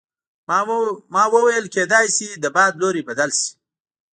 ما وویل کیدای شي د باد لوری بدل شي.